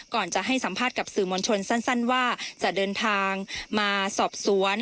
ก่อนจะให้สัมภาษณ์กับสื่อมวลชนสั้นว่าจะเดินทางมาสอบสวน